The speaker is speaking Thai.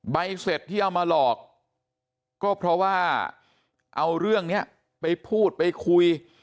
ใบเสร็จที่เอามาหลอกก็เพราะว่าเอาเรื่องนี้ไปพูดไปคุย